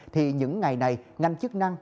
thì những ngày này ngành chức năng